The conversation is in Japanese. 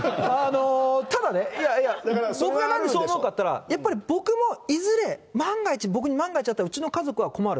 ただね、いやいや、僕がなんでそう思うかっていったら、やっぱり僕もいずれ、万が一、僕に万が一あったら、うちの家族が困る。